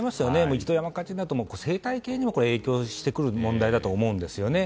一度、山火事になると生態系にも影響してくる問題だと思うんですよね。